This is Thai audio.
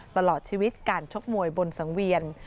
ตลอดชีวิตการชกมวยบนสังเวียน